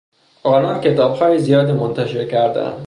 آنان کتابهای زیادی منتشر کردهاند.